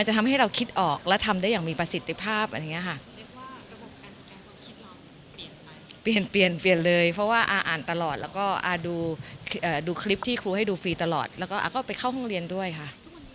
ทุกวันนี้อ้าก็ไม่มีไปเข้าห้องเรียนอะไรอย่างนี้หรือเปล่า